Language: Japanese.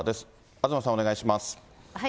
東さん、お願いします。